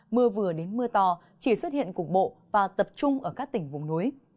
mưa vừa đến mưa to chỉ xuất hiện cục bộ và tập trung ở các tỉnh vùng núi